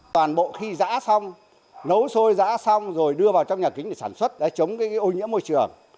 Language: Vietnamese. toàn bộ khi giã xong nấu xôi giã xong rồi đưa vào trong nhà kính để sản xuất để chống ô nhiễm môi trường